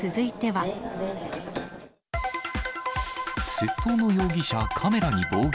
窃盗の容疑者、カメラに暴言。